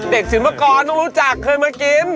เด็กถึงเมื่อก่อนเรารู้จักเคยมากิน